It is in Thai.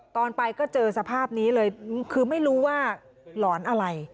ตอนไปก็เจอสภาพนี้เลยคือไม่รู้ว่าหลอนอะไร